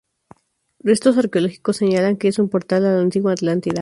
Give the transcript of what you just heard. Restos arqueológicos señalan que es un portal a la antigua Atlántida.